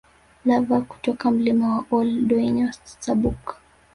Lava kutoka Mlima wa Ol Doinyo Sabuk